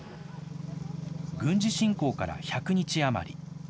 軍事侵攻から１００日余り。